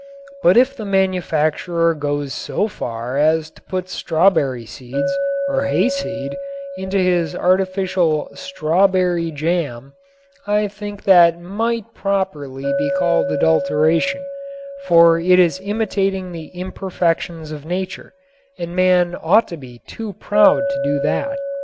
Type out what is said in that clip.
But if the manufacturer goes so far as to put strawberry seeds or hayseed into his artificial "strawberry jam" I think that might properly be called adulteration, for it is imitating the imperfections of nature, and man ought to be too proud to do that.